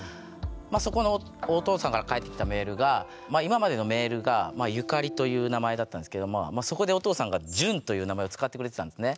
そこのお父さんから返ってきたメールがという名前だったんですけどそこでお父さんが「潤」という名前を使ってくれてたんですね。